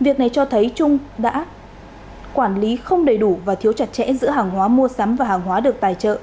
việc này cho thấy trung đã quản lý không đầy đủ và thiếu chặt chẽ giữa hàng hóa mua sắm và hàng hóa được tài trợ